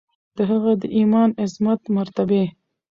د هغه د ایمان، عظمت، مرتبې